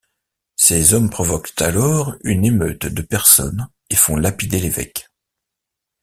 Ces hommes provoquent alors une émeute de personnes et font lapider l'évêque.